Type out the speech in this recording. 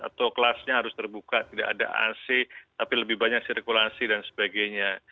atau kelasnya harus terbuka tidak ada ac tapi lebih banyak sirkulasi dan sebagainya